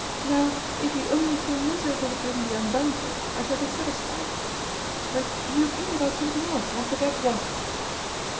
Now, if you only feel miserable during the 'Andante,' I shall be satisfied. But you came about something else, I forget what."